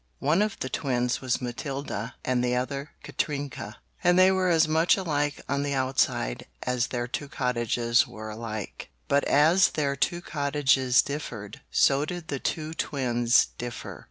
One of the twins was Matilda and the other Katrinka and they were as much alike on the outside as their two cottages were alike; but as their two cottages differed, so did the two twins differ.